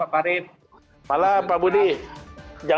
salam mbak ratu ratu